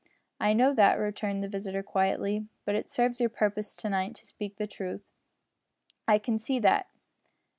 "I know that," returned the visitor, quietly, "but it serves your purpose to night to speak the truth. I can see that.